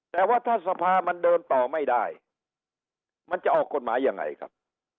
แต่ว่าถ้าสภามันเดินต่อไม่ได้มันจะออกกฎหมายยังไงครับ